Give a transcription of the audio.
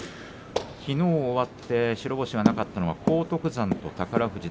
きのう終わって白星がなかったのは荒篤山と宝富士。